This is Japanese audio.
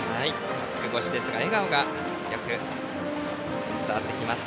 マスク越しですが笑顔がよく伝わってきます。